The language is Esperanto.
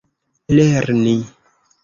lerni